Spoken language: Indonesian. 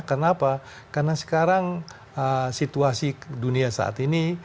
karena apa karena sekarang situasi dunia saat ini